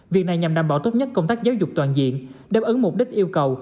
việc này nhằm đảm bảo tốt nhất công tác giáo dục toàn diện đáp ứng mục đích yêu cầu